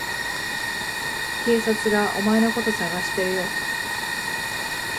警察がお前のこと捜してるよ。